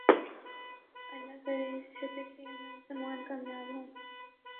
اللہ کرے اس چھپے کھیل میں مسلمان کامیاب ہو